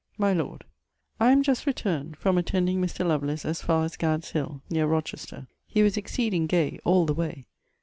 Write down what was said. MY LORD, I am just returned from attending Mr. Lovelace as far as Gad's Hill, near Rochester. He was exceeding gay all the way.